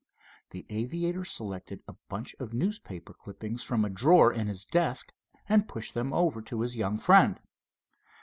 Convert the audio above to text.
The aviator selected a bunch of newspaper clippings from a drawer in his desk, and pushed them over to his young friend.